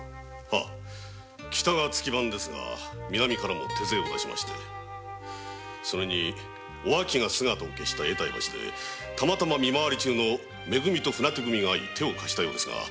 はあ北が月番ですが南からも手勢を出しましてそれにお秋が姿を消した永代橋でたまたま見回り中のめ組と船手組が会い手を貸したようですが。